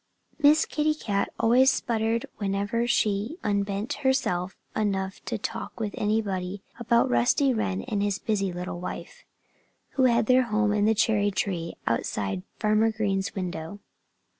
Miss Kitty Cat always spluttered whenever she unbent herself enough to talk with anybody about Rusty Wren and his busy little wife, who had their home in the cherry tree outside Farmer Green's window.